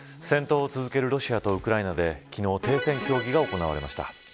戦闘を続けるロシアとウクライナで昨日、停戦協議が行われました。